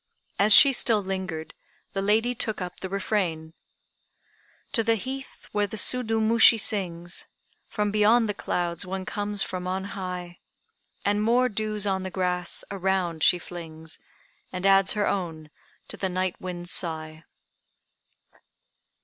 As she still lingered, the lady took up the refrain "To the heath where the Sudu Mushi sings, From beyond the clouds one comes from on high And more dews on the grass around she flings, And adds her own, to the night wind's sigh."